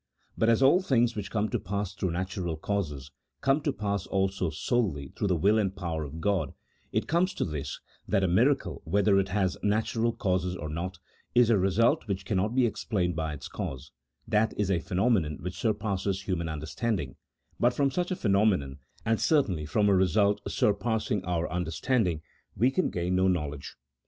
But as all things which come to pass through natural causes, come to pass also solely through the will and power of God, it comes to this, that a miracle, whether it has natural causes or not, is a result which cannot be explained by its cause, that is a phenomenon which surpasses human understanding ; but from such a phenomenon, and certainly from a result sur passing our understanding, we can gain no knowledge.